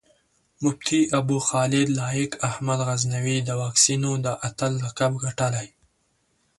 مفتي ابوخالد لائق احمد غزنوي د واکسينو د اتَل لقب ګټلی